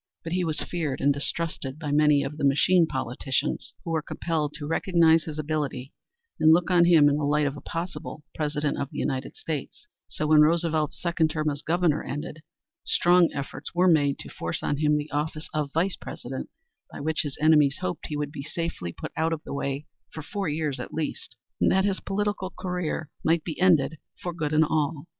But he was feared and distrusted by many of the machine politicians, who were compelled to recognize his ability and look on him in the light of a possible President of the United States, so when Roosevelt's second term as Governor ended, strong efforts were made to force on him the office of Vice President, by which his enemies hoped he would be safely put out of the way for four years at least, and that his political career might be ended for good and all.